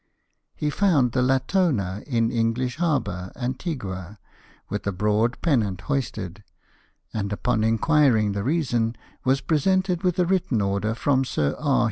He found the Latona in English Harbour, Antigua, with a broad pennant hoisted; and upon inquiring the reason, was presented with a written order from Sir E.